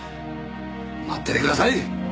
待っててください！